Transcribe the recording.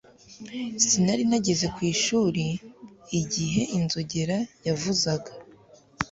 Sinari nageze ku ishuri igihe inzogera yavuzaga